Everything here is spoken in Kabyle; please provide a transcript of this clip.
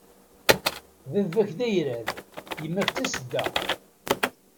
Baba-k d ayrad, yemma-k d tasedda.